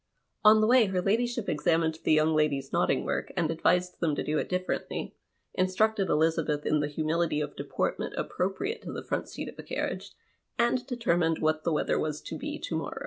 On the way her ladyship examined the young ladies' knotting work and advised them to do it differently, instructed Elizabeth in the hiunility of deportment appropriate to the front seat of a carriage, and determined what the weather was to be to morrow.